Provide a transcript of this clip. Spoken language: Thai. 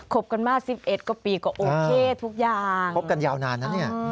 คบกันยาวนานนะนี่